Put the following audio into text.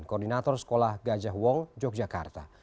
koordinator sekolah gajah wong yogyakarta